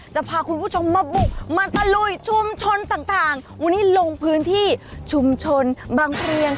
ชุมชนต้องแชร์